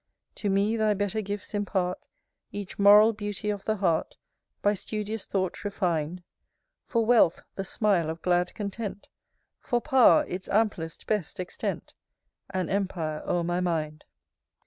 VII. To me thy better gifts impart, Each moral beauty of the heart, By studious thought refin'd; For wealth, the smile of glad content; For pow'r, its amplest, best extent, An empire o'er my mind.